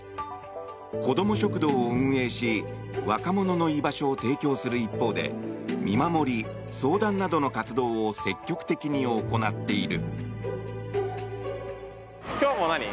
子ども食堂を運営し若者の居場所を提供する一方で見守り、相談などの活動を積極的に行っている。